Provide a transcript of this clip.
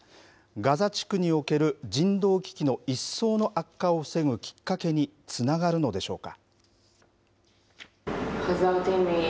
ガザ地区における人道危機の一層の悪化を防ぐきっかけにつながるのでしょうか。